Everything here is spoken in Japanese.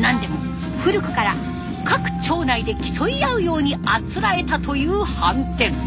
何でも古くから各町内で競い合うようにあつらえたというはんてん。